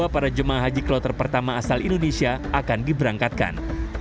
dua para jemaah haji kloter pertama asal indonesia akan diberangkatkan